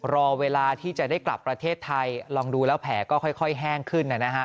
รอเวลาที่จะได้กลับประเทศไทยลองดูแล้วแผลก็ค่อยแห้งขึ้นนะฮะ